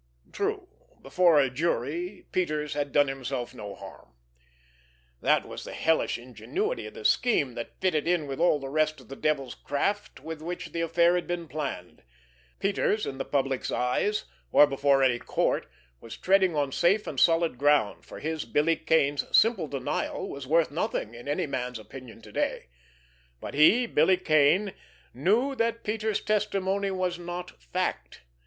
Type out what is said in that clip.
True, before a jury, Peters had done himself no harm—that was the hellish ingenuity of the scheme that fitted in with all the rest of the devil's craft with which the affair had been planned. Peters, in the public's eyes, or before any court, was treading on safe and solid ground, for his, Billy Kane's, simple denial was worth nothing in any man's opinion to day; but he, Billy Kane, knew that Peters' testimony was not fact.